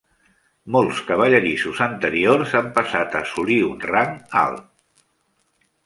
Molts cavallerissos anteriors han passat a assolir un rang alt.